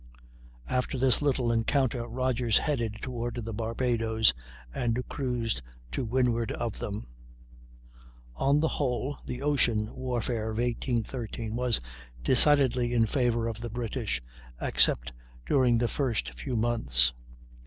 After this little encounter Rodgers headed toward the Barbadoes, and cruised to windward of them. On the whole the ocean warfare of 1813 was decidedly in favor of the British, except during the first few months.